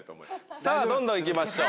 さぁどんどん行きましょう。